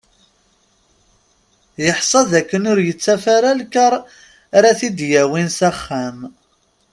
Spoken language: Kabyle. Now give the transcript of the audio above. Yeḥsa d akken ur yettaf ara lkar ara t-id-yawin s axxam.